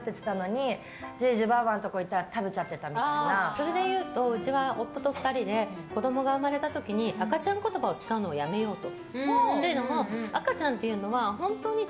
それでいうとうちは夫と２人で子供が生まれた時に赤ちゃん言葉を使うのをやめようと。